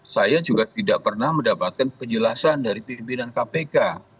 saya juga tidak pernah mendapatkan penjelasan dari pimpinan kpk